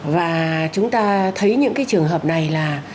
và chúng ta thấy những cái trường hợp này là